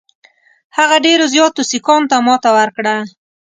هغه ډېرو زیاتو سیکهانو ته ماته ورکړه.